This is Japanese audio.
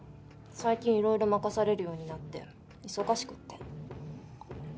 最近いろいろ任されるようになって忙しくって。